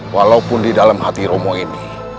walaupun di dalam hati romo ini